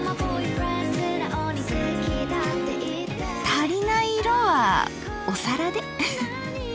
足りない色はお皿で。